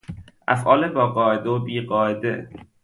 افعال با قاعده و بی قاعده